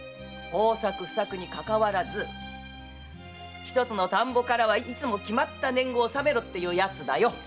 豊作不作にかかわらずひとつの田圃からいつも決まった年貢を納めろっていうやつだよ。